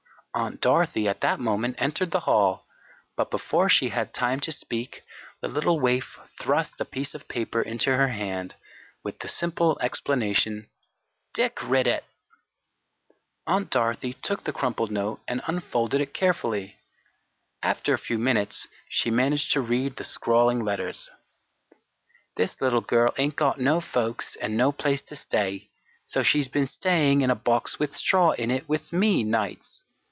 Aunt Dorothy at that moment entered the hall, but, before she had time to speak the little waif thrust a piece of paper into, her hand, with the simple explanation, "Dick writ it." Aunt Dorothy took the crumpled note and unfolded it carefully. After a few minutes she managed to read the scrawling letters: "This little girl ain't got no folks and no place to stay; so she's been staying in a box with straw in it with me nights.